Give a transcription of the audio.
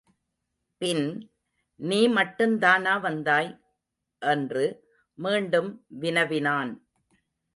பின், நீ மட்டுந்தானா வந்தாய்? என்று மீண்டும் வினவினான்.